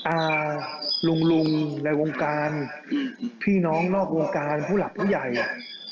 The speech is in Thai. อ่าลุงลุงในวงการอืมพี่น้องนอกวงการผู้หลักผู้ใหญ่อ่ะ